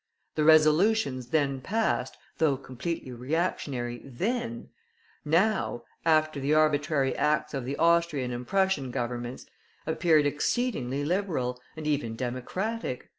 The resolutions then passed, though completely reactionary then, now, after the arbitrary acts of the Austrian and Prussian Governments, appeared exceedingly Liberal, and even Democratic.